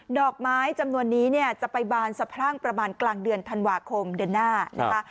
ดอกไม้จำนวนนี้เนี่ยจะไปบานสะพรั่งประมาณกลางเดือนธันวาคมเดือนหน้านะคะ